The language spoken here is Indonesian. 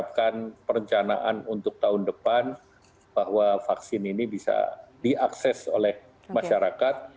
dan tentu kita persiapkan perencanaan untuk tahun depan bahwa vaksin ini bisa diakses oleh masyarakat